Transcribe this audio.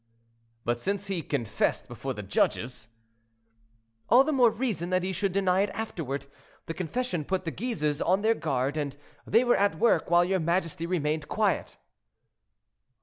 "But since he confessed before the judges—" "All the more reason that he should deny it afterward. The confession put the Guises on their guard, and they were at work while your majesty remained quiet."